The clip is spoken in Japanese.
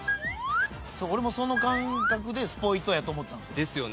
俺もその感覚でスポイトやと思ったんすよ。